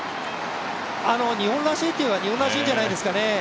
日本らしいといえば日本らしいんじゃないですかね。